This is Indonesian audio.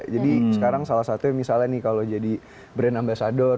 sekarang salah satu misalnya nih kalau jadi brand ambasador